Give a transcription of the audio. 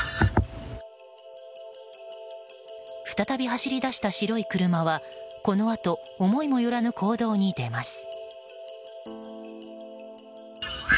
再び走り出した白い車はこのあと思いもよらぬ行動に出ます。